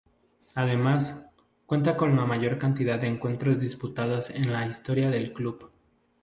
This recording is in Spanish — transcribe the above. Además, cuenta con la mayor cantidad de encuentros disputados en la historia del club.